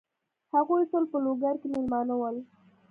هغوی ټول په لوګر کې مېلمانه ول.